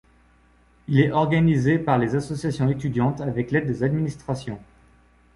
Il est organisé par les associations étudiantes avec l’aide des administrations.